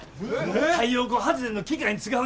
太陽光発電の機械に使うねじや。